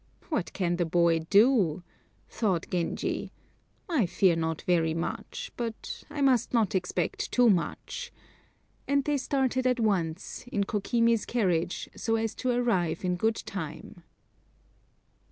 "What can the boy do?" thought Genji; "I fear not very much, but I must not expect too much"; and they started at once, in Kokimi's carriage, so as to arrive in good time.